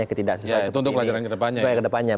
ya itu untuk pelajaran kedepannya ya